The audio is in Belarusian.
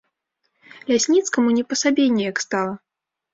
Лясніцкаму не па сабе неяк стала.